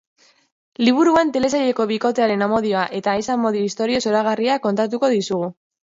Liburuan telesaileko bikotearen amodio eta ez-amodio istorio zoragarria kontatuko dizugu.